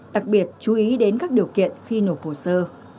đặc biệt chú ý đến các điều kiện khi nộp hồ sơ